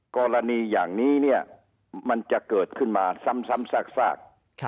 กรณีอย่างนี้เนี่ยมันจะเกิดขึ้นมาซ้ำซาก